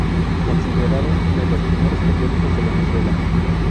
Considerado entre los primeros periódicos de Venezuela.